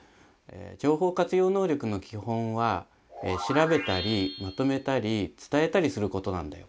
情報活用能力の基本は調べたりまとめたり伝えたりすることなんだよ。